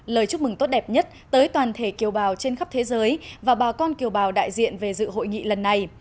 lời chúc mừng tốt đẹp nhất tới toàn thể kiều bào trên khắp thế giới và bà con kiều bào đại diện về dự hội nghị lần này